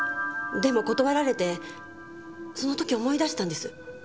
でも断られてその時思い出したんです。